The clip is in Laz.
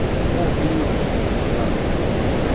“Mu iyu?” ya.